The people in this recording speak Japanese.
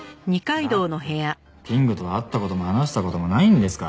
だってキングとは会った事も話した事もないんですから。